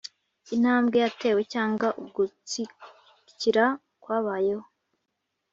intambwe yatewe cyanga ugutsikira kwabayeho